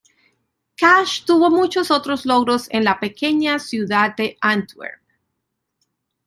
Cash tuvo muchos otros logros en la pequeña ciudad de Antwerp.